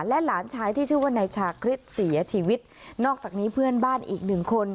และหลานชายที่ชื่อว่านายชาคริสเสียชีวิตนอกจากนี้เพื่อนบ้านอีกหนึ่งคน